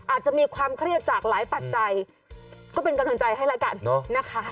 อาจจะมีความเครียดจากหลายปัจจัยก็เป็นกำลังใจให้แล้วกันนะคะ